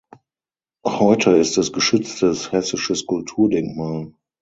Heute ist es geschütztes hessisches Kulturdenkmal.